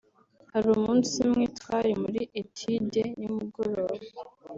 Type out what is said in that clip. hari umunsi umwe twari muri études nimugoroba